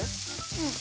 うん。